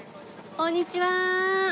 こんにちは。